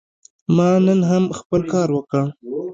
ما نن هم خپل کار وکړ.